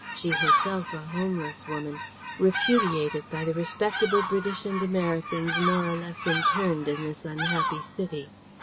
She herself a homeless woman, repudiated by the respectable British and Americans more or less interned in this unhappy city.